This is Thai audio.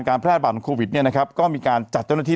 การพลัดบาดโควิตเนี้ยนะครับก็มีการจัดเจ้าหน้าที่